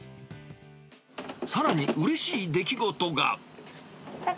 さらにうれしい出来事が。